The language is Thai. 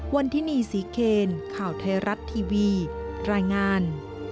วันนี้นี่สิเกณฑ์ข่าวไทยรัฐทีวีรายงาน